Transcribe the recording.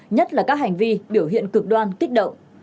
nhất là các hành vi biểu hiện cực đoan kích động